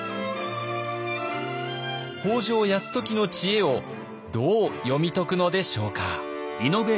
北条泰時の知恵をどう読み解くのでしょうか。